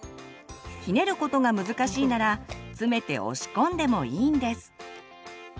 ひねることが難しいなら詰めて押し込んでもいいんです。